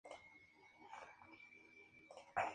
Todas las canciones compuestas por Graham Russell.